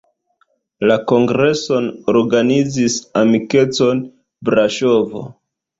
La kongreson organizis "Amikeco Braŝovo".